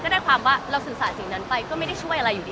ได้ความว่าเราสื่อสารสิ่งนั้นไปก็ไม่ได้ช่วยอะไรอยู่ดี